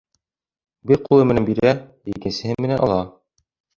Бер ҡулы менән бирә, икенсеһе менән ала.